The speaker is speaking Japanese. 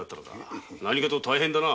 何かと大変だな。